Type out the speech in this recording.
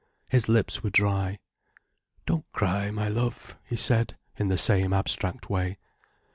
His lips were dry. "Don't cry, my love," he said, in the same abstract way.